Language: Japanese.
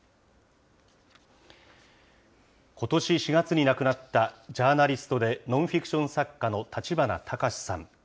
ことし４月に亡くなったジャーナリストでノンフィクション作家の立花隆さん。